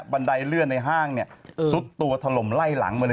บันไดเลื่อนในห้างซุดตัวถล่มไล่หลังมาเลย